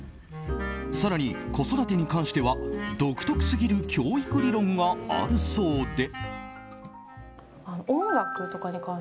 更に、子育てに関しては独特すぎる教育理論があるそうで。